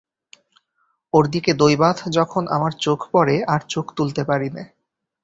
ওর দিকে দৈবাৎ যখন আমার চোখ পড়ে আর চোখ তুলতে পারি নে।